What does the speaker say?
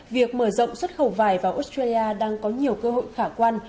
việc mở rộng xuất khẩu vải vào australia đang có nhiều cơ hội khả quan